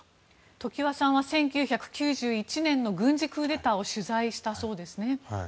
常盤さんは１９９１年の軍事クーデターを取材したそうですね。